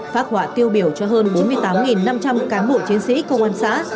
phát họa tiêu biểu cho hơn bốn mươi tám năm trăm linh cán bộ chiến sĩ công an xã